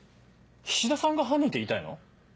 菱田さんが犯人って言いたいの？